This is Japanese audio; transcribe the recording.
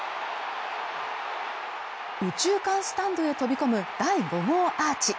右中間スタンドへ飛び込む第５号アーチ。